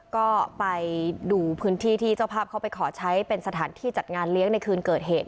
ก็ไปดูพื้นที่ที่เจ้าภาพเขาไปขอใช้เป็นสถานที่จัดงานเลี้ยงในคืนเกิดเหตุ